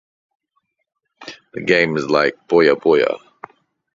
The game is like Puyo Puyo.